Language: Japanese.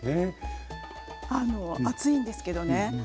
暑いんですけどね